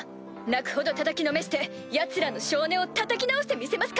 泣くほどたたきのめしてヤツらの性根をたたき直してみせますから！